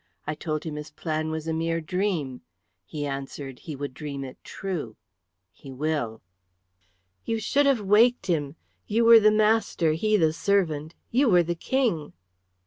I told him his plan was a mere dream. He answered he would dream it true; he will." "You should have waked him. You were the master, he the servant. You were the King."